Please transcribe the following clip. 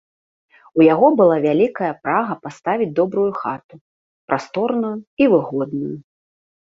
А ў яго была вялікая прага паставіць добрую хату, прасторную і выгодную.